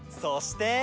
そして。